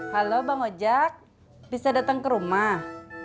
halo bang ojek bisa datang ke rumah